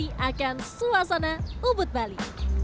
ini akan suasana ubud bali